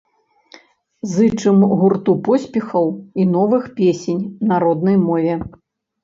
Зычым гурту поспехаў і новых песень на роднай мове!